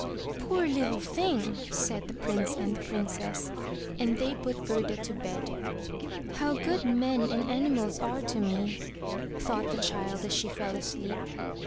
*Toor Uttle thing!'' said the Prince and the Princess, and they put Gerda to bed. "How good men and animals are to me," thought the child as she fell asleep.